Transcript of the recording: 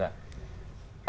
rất tự nhiên ạ